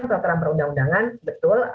itu kan peraturan perundang undangan betul